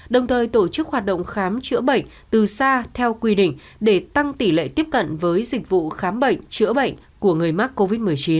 đồng thời tổ chức hoạt động khám chữa bệnh từ xa theo quy định để tăng tỷ lệ tiếp cận với dịch vụ khám bệnh chữa bệnh của người mắc covid một mươi chín